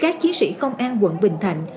các chí sĩ công an quận bình thạnh